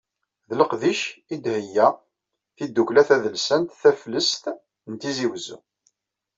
D leqdic i d-theyya tdukkla tadelsant Taflest n Tizi Uzzu.